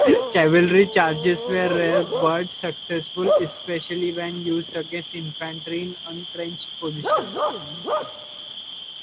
Cavalry charges were rare but successful, especially when used against infantry in un-entrenched positions.